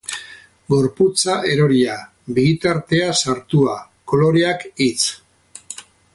Gorputza eroria, begitartea sartua, koloreak hits.